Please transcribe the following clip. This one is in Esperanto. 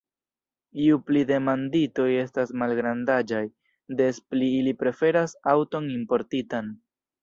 Ju pli demanditoj estas malgrandaĝaj, des pli ili preferas aŭton importitan.